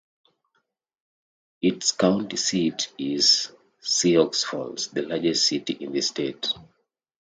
Its county seat is Sioux Falls, the largest city in the state.